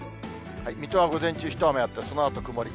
水戸は午前中、一雨あって、そのあと曇り。